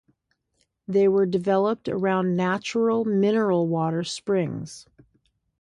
They were developed around natural mineral water springs.